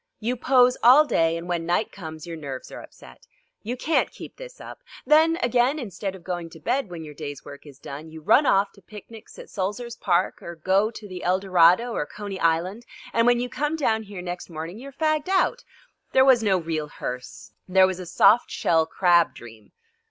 You pose all day, and when night comes your nerves are upset. You can't keep this up. Then again, instead of going to bed when your day's work is done, you run off to picnics at Sulzer's Park, or go to the Eldorado or Coney Island, and when you come down here next morning you are fagged out. There was no real hearse. There was a soft shell crab dream."